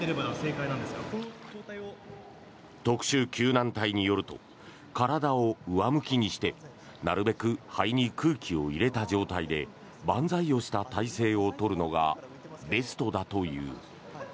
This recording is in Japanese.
特殊救難隊によると体を上向きにしてなるべく肺に空気を入れた状態で万歳をした体勢を取るのがベストだという。